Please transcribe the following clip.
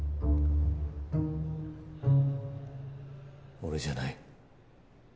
俺じゃない。